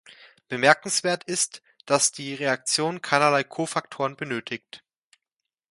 Bemerkenswert ist, dass die Reaktion keinerlei Kofaktoren benötigt.